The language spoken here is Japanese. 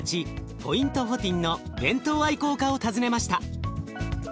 ポイントフォティンの弁当愛好家を訪ねました。